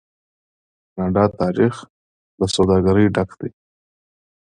د کاناډا تاریخ له سوداګرۍ ډک دی.